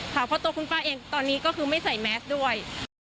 เพราะตัวคุณป้าเองตอนนี้ก็คือไม่ใส่แมสด้วย